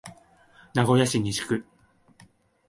名古屋市西区